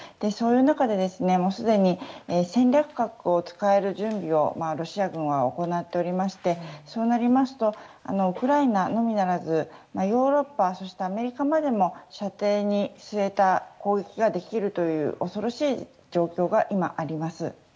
そういう中で、すでに戦略核を使える準備をロシア軍は行っておりましてそうなりますとウクライナのみならずヨーロッパ、そしてアメリカまで射程に据えた攻撃ができるという恐ろしい状況が今、あります。